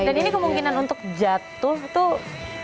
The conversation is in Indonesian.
dan ini kemungkinan untuk jatuh tuh